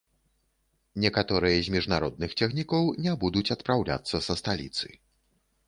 Некаторыя з міжнародных цягнікоў не будуць адпраўляцца са сталіцы.